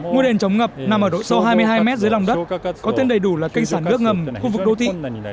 ngôi đền chống ngập nằm ở đội sâu hai mươi hai mét dưới lòng đất có tên đầy đủ là kênh sản nước ngầm khu vực đô thị